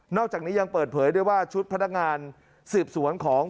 อกจากนี้ยังเปิดเผยด้วยว่าชุดพนักงานสืบสวนของ